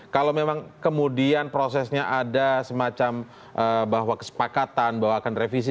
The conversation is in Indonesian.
kalau memang kemudian prosesnya ada semacam bahwa kesepakatan bahwa akan revisi